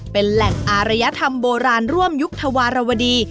เป็นแหล่งอารยธรรมโบราณร่วมยุคธวารวดี